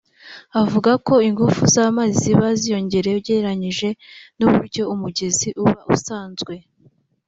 avuga ko ingufu z’amazi ziba ziyongereye ugereranyije n’uburyo umugezi uba usanzwe